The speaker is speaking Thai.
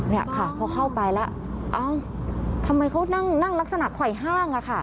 เนี่ยค่ะพอเข้าไปแล้วเอ้าทำไมเขานั่งลักษณะไขว่ห้าง